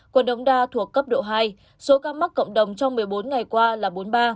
quận đống đa thuộc cấp độ hai số ca mắc cộng đồng trong một mươi bốn ngày qua là bốn mươi ba